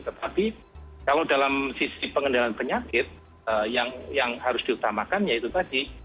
tetapi kalau dalam sisi pengendalian penyakit yang harus diutamakan yaitu tadi